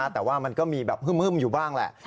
แต่ว่ามันก็มีแบบฮึ่มอยู่บ้างแหละ